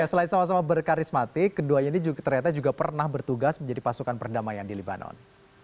selain sama sama berkarismatik keduanya ini ternyata juga pernah bertugas menjadi pasukan perdamaian di libanon